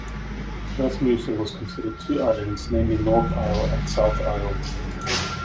Thus Mousa was considered two islands, namely North Isle and South Isle.